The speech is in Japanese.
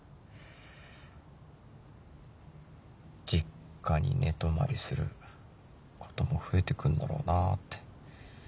実家に寝泊まりすることも増えて来るんだろうなって。